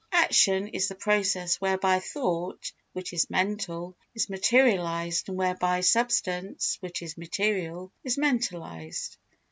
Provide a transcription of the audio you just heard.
Action is the process whereby thought, which is mental, is materialised and whereby substance, which is material, is mentalised.